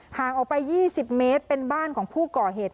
ห่างออกไป๒๐เมตรเป็นบ้านของผู้ก่อเหตุ